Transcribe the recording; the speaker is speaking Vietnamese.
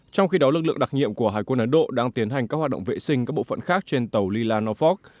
trong khi đó lực lượng đặc nhiệm của hải quân ấn độ đang tiến hành các hoạt động vệ sinh các bộ phận khác trên tàu lilanoford